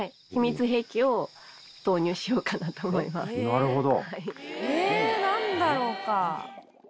なるほど。